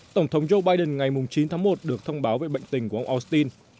tổng thống joe biden ngày chín tháng một được thông báo về bệnh tình của ông austin